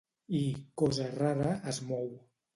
I, cosa rara, es mou.